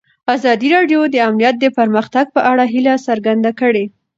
ازادي راډیو د امنیت د پرمختګ په اړه هیله څرګنده کړې.